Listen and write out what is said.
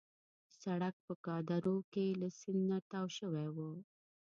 سړک په کادور کې له سیند نه تاو شوی وو.